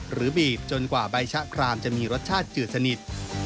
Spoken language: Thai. บีบจนกว่าใบชะครามจะมีรสชาติจืดสนิท